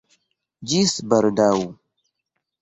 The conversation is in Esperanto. Ĝis baldaŭ!